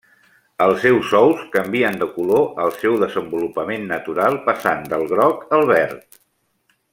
Els seus ous canvien de color al seu desenvolupament natural passant del groc al verd.